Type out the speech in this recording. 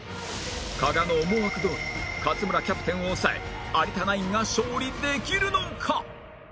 加賀の思惑どおり勝村キャプテンを抑え有田ナインが勝利できるのか？